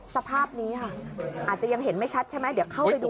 สภาพนี้ค่ะอาจจะยังเห็นไม่ชัดใช่ไหมเดี๋ยวเข้าไปดู